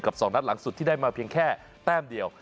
๒นัดหลังสุดที่ได้มาเพียงแค่แต้มเดียว